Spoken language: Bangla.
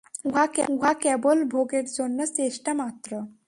উহা কেবল ভোগের জন্য চেষ্টা মাত্র।